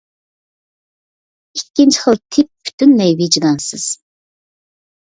ئىككىنچى خىل تىپ پۈتۈنلەي ۋىجدانسىز.